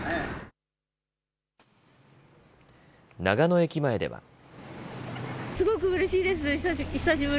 長野駅前では。